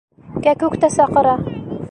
Кәкүк тә саҡыра.